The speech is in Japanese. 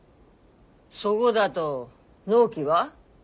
そごだど納期は？